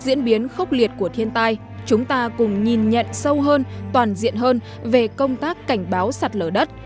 diễn biến khốc liệt của thiên tai chúng ta cùng nhìn nhận sâu hơn toàn diện hơn về công tác cảnh báo sạt lở đất